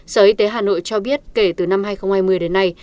sở y tế hà nội cho biết kể từ năm hai nghìn hai mươi đến nay